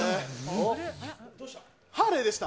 ハーレーでした。